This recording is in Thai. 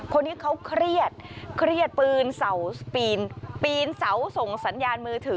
คนนี้เขาเครียดปีนเสาส่งสัญญาณมือถือ